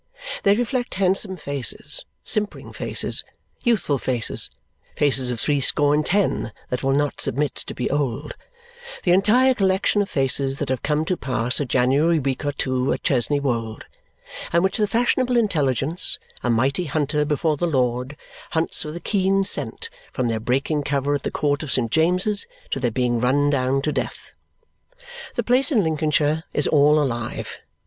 They reflect handsome faces, simpering faces, youthful faces, faces of threescore and ten that will not submit to be old; the entire collection of faces that have come to pass a January week or two at Chesney Wold, and which the fashionable intelligence, a mighty hunter before the Lord, hunts with a keen scent, from their breaking cover at the Court of St. James's to their being run down to death. The place in Lincolnshire is all alive.